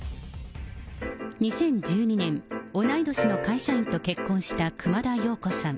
２０１２年、同い年の会社員と結婚した熊田曜子さん。